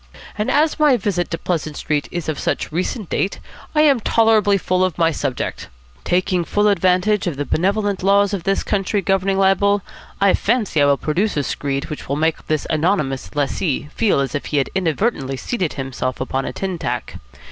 And as my visit to Pleasant Street is of such recent date, I am tolerably full of my subject. Taking full advantage of the benevolent laws of this country governing libel, I fancy I will produce a screed which will make this anonymous lessee feel as if he had inadvertently seated himself upon a tin tack.